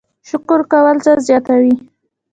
شکر کول څه زیاتوي؟